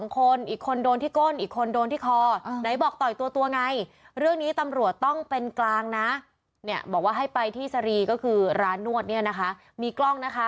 อีกคนโดนที่ก้นอีกคนโดนที่คอไหนบอกต่อยตัวไงเรื่องนี้ตำรวจต้องเป็นกลางนะเนี่ยบอกว่าให้ไปที่สรีก็คือร้านนวดเนี่ยนะคะมีกล้องนะคะ